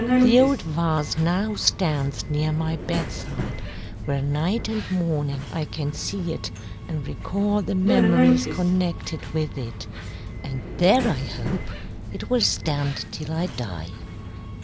The old vase now stands near my bedside, where night and morning I can see it and recall the memories connected with it, and there, I hope, it will stand till I die.